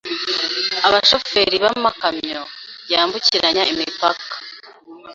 abashoferi b’amakamyo yambukiranya imipaka